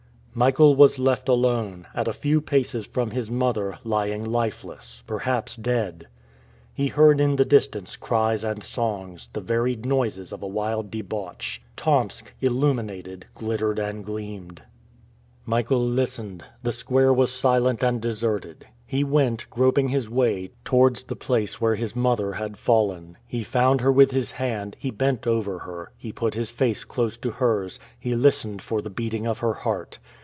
Michael was left alone, at a few paces from his mother, lying lifeless, perhaps dead. He heard in the distance cries and songs, the varied noises of a wild debauch. Tomsk, illuminated, glittered and gleamed. Michael listened. The square was silent and deserted. He went, groping his way, towards the place where his mother had fallen. He found her with his hand, he bent over her, he put his face close to hers, he listened for the beating of her heart.